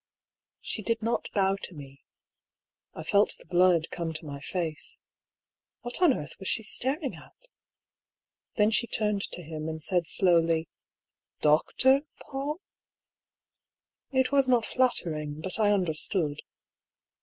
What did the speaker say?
She did not bow to me. I felt the blood come to my face. What on earth was she staring at? Then she turned to him, and said slowly :" Doctor Paull ?" It was not flattering, but I understood.